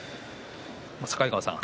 境川さん